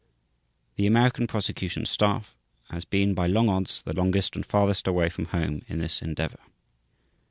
The American Prosecution staff has been by long odds the longest and farthest away from home in this endeavor.